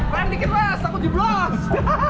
peran dikit mas takut jublos